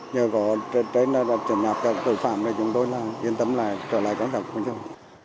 nhờ có trở lại tội phạm thì chúng tôi là yên tâm lại trở lại có đọc với nhau